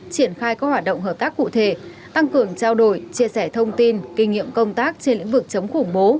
triển khai các hoạt động hợp tác cụ thể tăng cường trao đổi chia sẻ thông tin kinh nghiệm công tác trên lĩnh vực chống khủng bố